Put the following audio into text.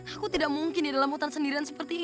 aku tidak mungkin di dalam hutan sendirian seperti ini